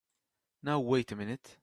Now wait a minute!